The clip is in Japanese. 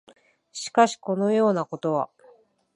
しかし、このようなことは、